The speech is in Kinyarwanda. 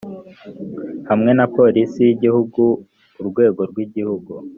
hamwe na polisi y igihugu urwego rw igihugu